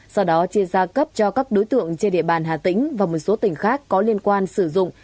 sau đó chia ra cấp cho các đối tượng trên địa bàn hà tĩnh và một số tỉnh khác có liên quan sử dụng